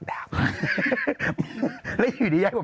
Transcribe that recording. ดำเนินคดีต่อไปนั่นเองครับ